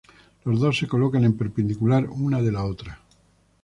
Las dos se colocan en perpendicular una de la otra.